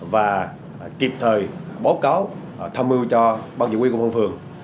và kịp thời báo cáo tham mưu cho ban giải quyết công an phường